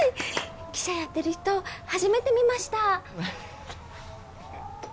記者やってる人初めて見ました！